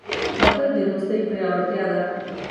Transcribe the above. • بښل د دوستۍ پیاوړتیا ده.